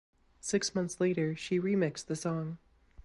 Six months later she remixed the song.